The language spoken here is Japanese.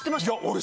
俺。